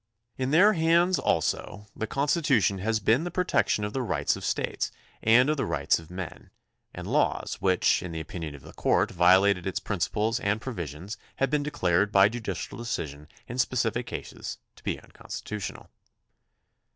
In their hands also the Constitution has been the protection of the rights of States and of the rights of men, and laws which, in the opinion of the court, violated its principles and its provisions have been declared by judicial decision in specific cases to be unconstitutional.